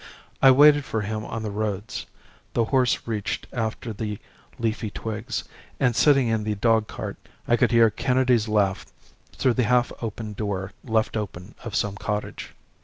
I waited for him on the roads; the horse reached after the leafy twigs, and, sitting in the dogcart, I could hear Kennedy's laugh through the half open door left open of some cottage.